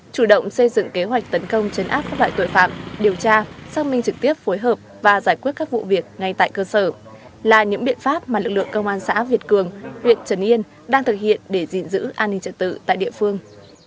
chủ động xây dựng kế hoạch tấn công chấn áp các loại tội phạm điều tra xác minh trực tiếp phối hợp và giải quyết các vụ việc ngay tại cơ sở là những biện pháp mà lực lượng công an xã việt cường huyện trần yên đang thực hiện để gìn giữ an ninh trật tự tại địa phương